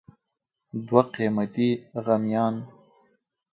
دوه قیمتي غمیان